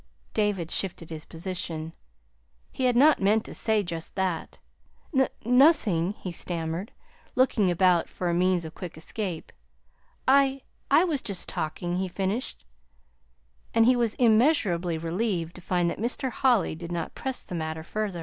David shifted his position. He had not meant to say just that. "N nothing," he stammered, looking about for a means of quick escape. "I I was just talking," he finished. And he was immeasurably relieved to find that Mr. Holly did not press the matter further.